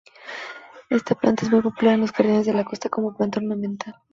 Esta planta es muy popular en los jardines de la costa como planta ornamental.